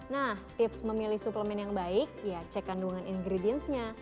nah tips memilih suplemen yang baik ya cek kandungan ingredients nya